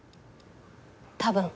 多分。